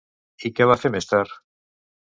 I què va fer més tard?